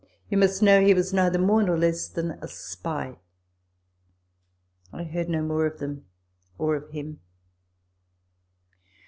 You must know he was neither more nor less than a spy." I heard no more of them, or of him.